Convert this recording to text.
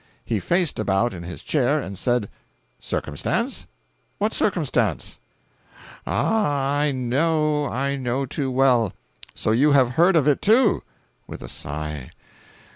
He faced about in his chair and said: "Circumstance? What circumstance? Ah, I know—I know too well. So you have heard of it too." [With a sigh.